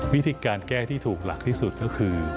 วิธีการแก้ที่ถูกหลักที่สุดก็คือ